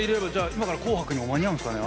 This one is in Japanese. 今から「紅白」にも間に合うんすかね。